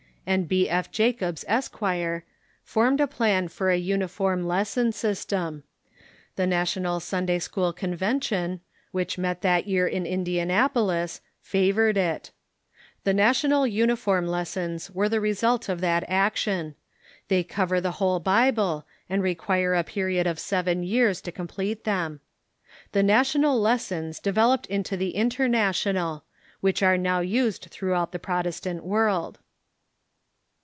and B. F. Jacobs, Esq., formed a plan for a uniform Lesson System. The National Sunday School Convention, which met that year in Indianapolis, fa vored it. The National Uniform Lessons were the result of that action. They cover the whole Bible, and require a period of seven years to complete them. The National Lessons de veloped into the International, which are now used through out the Protestant world.